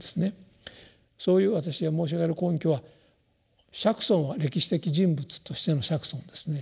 そういう私が申し上げる根拠は釈尊は歴史的人物としての釈尊ですね。